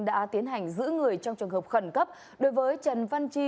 đã tiến hành giữ người trong trường hợp khẩn cấp đối với trần văn chi